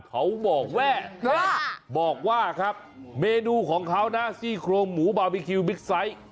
เขาบอกว่าครับเมนูของเขานะซี่โครงหมูบาร์บีคิวบิ๊กไซต์